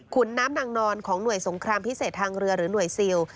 น้ำนางนอนของหน่วยสงครามพิเศษทางเรือหรือหน่วยซิล